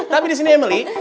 tapi disini emily